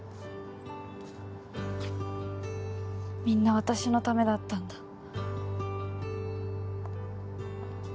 みんな私のためだったんだ。